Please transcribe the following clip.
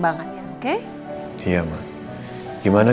udah sedang lolos sejak aku nangis